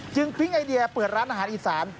พลิ้งไอเดียเปิดร้านอาหารอีสาน